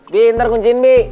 bi nanti aku kuncin